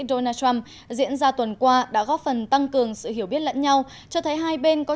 donald trump diễn ra tuần qua đã góp phần tăng cường sự hiểu biết lẫn nhau cho thấy hai bên có